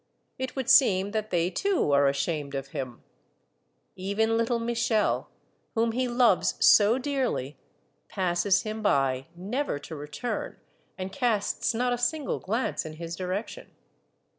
It would seem that they too are ashamed of him ! Even Httle Michel, whom he loves so dearly, passes him by, never to return, and casts not a single glance in his direction.